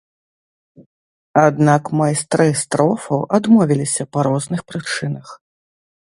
Аднак майстры строфаў адмовіліся па розных прычынах.